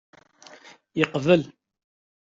Yeqbel.